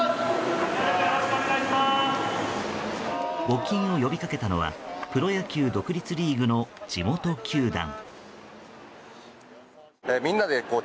募金を呼びかけたのはプロ野球独立リーグの地元球団。